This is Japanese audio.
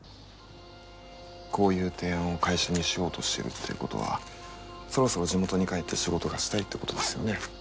こういう提案を会社にしようとしてるっていうことはそろそろ地元に帰って仕事がしたいってことですよね？